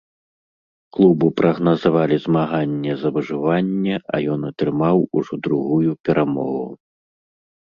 Клубу прагназавалі змаганне за выжыванне, а ён атрымаў ужо другую перамогу.